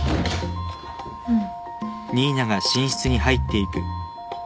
うん。